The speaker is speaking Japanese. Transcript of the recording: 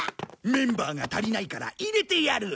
メンバーが足りないから入れてやる。